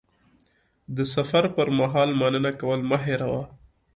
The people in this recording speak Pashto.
د سفر پر مهال مننه کول مه هېروه.